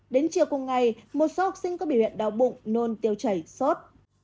đến chiều cùng ngày một số học sinh có biểu hiện đau bụng nôn tiêu chảy sốt